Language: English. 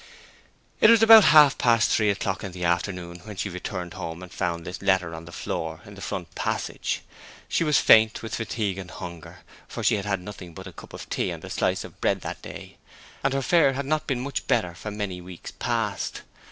It was about half past three o'clock in the afternoon when she returned home and found this letter on the floor in the front passage. She was faint with fatigue and hunger, for she had had nothing but a cup of tea and a slice of bread that day, and her fare had not been much better for many weeks past.